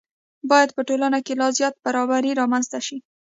باید په ټولنه کې لا زیاته برابري رامنځته شي.